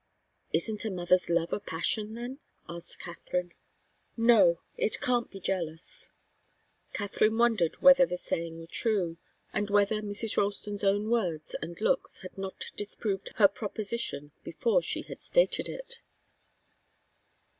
"Isn't a mother's love a passion, then?" asked Katharine. "No it can't be jealous." Katharine wondered whether the saying were true, and whether Mrs. Ralston's own words and looks had not disproved her proposition before she had stated it.